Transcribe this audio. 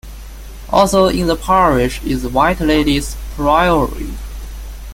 Also in the parish is White Ladies Priory.